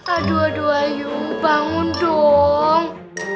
aduh aduh ayo bangun dong